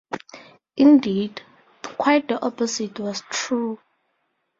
Indeed, quite the opposite was true.